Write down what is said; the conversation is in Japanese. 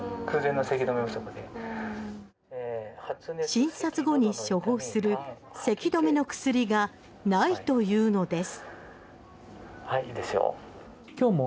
診察後に処方するせき止めの薬がないというのです。